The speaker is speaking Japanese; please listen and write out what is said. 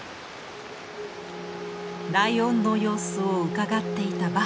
ライオンの様子をうかがっていたバッファロー。